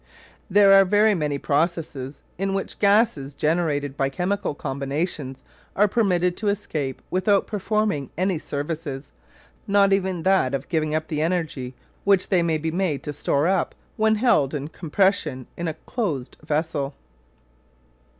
There are very many processes in which gases generated by chemical combinations are permitted to escape without performing any services, not even that of giving up the energy which they may be made to store up when held in compression in a closed vessel.